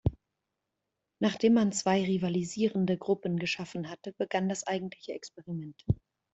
Nachdem man zwei rivalisierende Gruppen geschaffen hatte, begann das eigentliche Experiment.